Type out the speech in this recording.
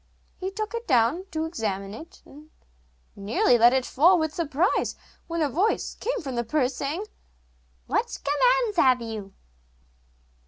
He took it down to examine it, and nearly let it fall with surprise when a voice came from the purse saying: 'What commands have you?